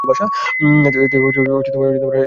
এতে রাজস্বের বৃদ্ধি ঘটে।